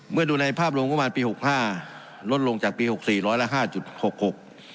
ดูในภาพรวมงบประมาณปีหกห้าลดลงจากปีหกสี่ร้อยละห้าจุดหกหก